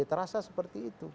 terasa seperti itu